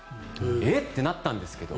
えっ？ってなったんですけど